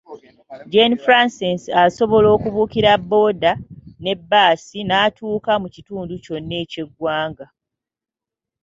Jane Frances asobola okubuukira booda ne bbaasi n'atuuka mu kitundu kyonna eky’eggwanga.